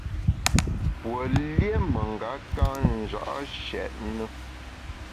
Pue lié mengaka nja’ nshèt ne.